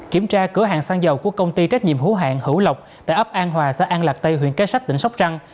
kiểm tra cửa hàng xăng dầu của công ty trách nhiệm hú hạn hữu lộc tại ấp an hòa xã an lạc tây huyện kê sách tỉnh sóc trăng